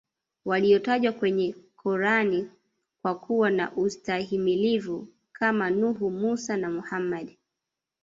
walio tajwa kwenye Quran kwa kuwa na ustahimilivu Kama nuhu mussa na Muhammad